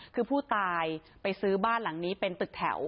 คือผู้ตายไปซื้อบ้านหลังนี้เป็นตึกแถว